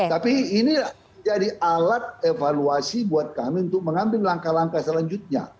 tapi ini jadi alat evaluasi buat kami untuk mengambil langkah langkah selanjutnya